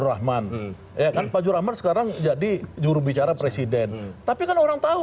rahman ya kan pak jurama sekarang jadi jurubicar tracking obviamente k quit memang berjuang lawan